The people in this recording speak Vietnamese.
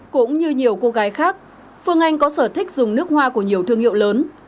cũng như nhiều cô gái khác phương anh có sở thích dùng nước hoa của nhiều thương hiệu lớn